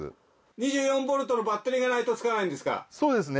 ２４ボルトのバッテリーがないとつかないんですか？